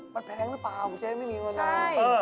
มันแพงหรือเปล่าเจ๊ไม่มีวันนั้น